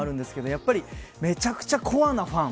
やっぱりめちゃくちゃコアなファン